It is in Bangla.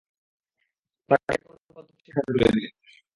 তাকে কোন পাগল তপস্বীর হাতে তুলে দিন?